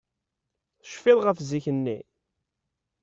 Tecfiḍ ɣef zik-nni?